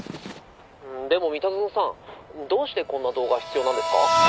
「でも三田園さんどうしてこんな動画必要なんですか？」